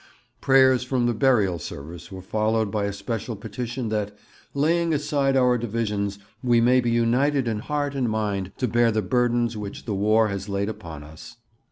Prayers from the Burial Service were followed by a special petition that, 'laying aside our divisions, we may be united in heart and mind to bear the burdens which the War has laid upon us....'